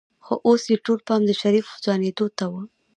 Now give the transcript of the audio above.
خو اوس يې ټول پام د شريف ځوانېدو ته و.